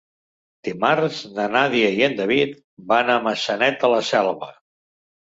Dimarts na Nàdia i en David van a Maçanet de la Selva.